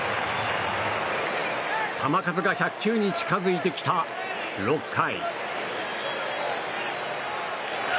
球数が１００球に近づいてきた６回。